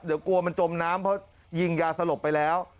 เดี๋ยวกลัวมันจมน้ำเพราะยิงยาสลบไปแล้ว